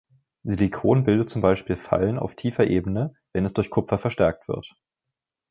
Silikon bildet zum Beispiel Fallen auf tiefer Ebene, wenn es durch Kupfer verstärkt wird.